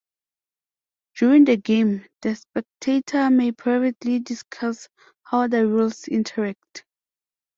During the game the spectators may privately discuss how their rules interact.